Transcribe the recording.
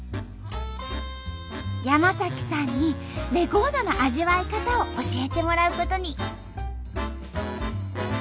山さんにレコードの味わい方を教えてもらうことに。